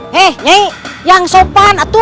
he nyai yang sopan